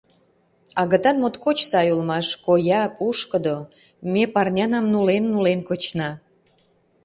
Агытан моткоч сай улмаш, коя, пушкыдо — ме парнянам нулен-нулен кочна.